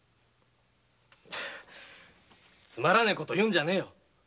つまらねぇこと言うんじゃねぇよ。